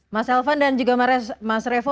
mas elvan dan juga mas revo